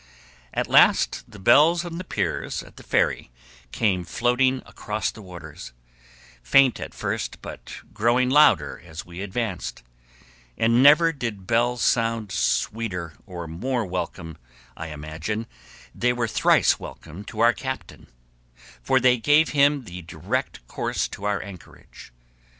At last the bells on the piers at the ferry came floating across the waters, faint at first, but growing louder as we advanced, and never did bells sound sweeter or more welcome I imagine they were thrice welcome to our captain, for they gave him the direct course to our anchorage.